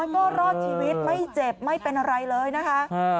ไม่เจ็บไม่เป็นอะไรเลยนะฮะ